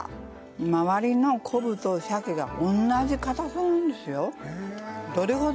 周りの昆布とシャケが同じ硬さなんですよ。